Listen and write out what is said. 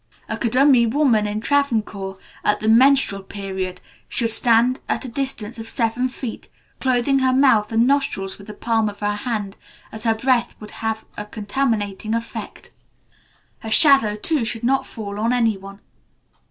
A Kudumi woman in Travancore, at the menstrual period, should stand at a distance of seven feet, closing her mouth and nostrils with the palm of her hand, as her breath would have a contaminating effect. Her shadow, too, should not fall on any one.